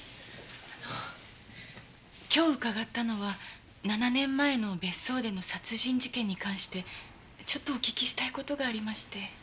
あの今日伺ったのは７年前の別荘での殺人事件に関してちょっとお聞きしたい事がありまして。